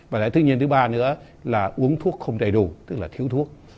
và lại thứ nhiên thứ ba nữa là uống thuốc không đầy đủ tức là thiếu thuốc